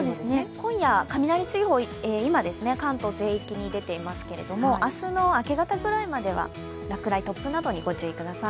今、雷注意報、関東全域に出ていますが明日の明け方くらいまでは落雷、突風などにご注意ください。